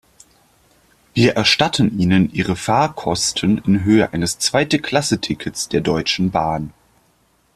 Wir erstatten Ihnen Ihre Fahrkosten in Höhe eines zweite Klasse Tickets der Deutschen Bahn.